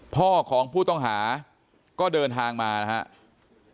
พ่อของผู้ต้องหาก็เดินทางมานะครับ